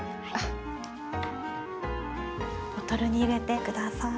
ボトルに入れてください。